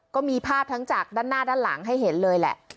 ก็มีภาพทั้งจากด้านหน้าด้านหลังให้เห็นเลยแหละ